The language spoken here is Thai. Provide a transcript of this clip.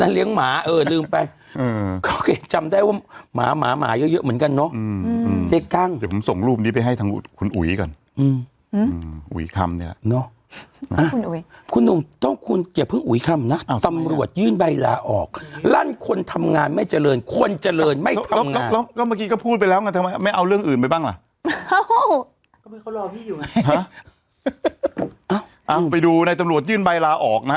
แล้วก็เลยต้องจะเดินมา